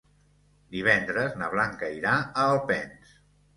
Divendres na Blanca irà a Alpens.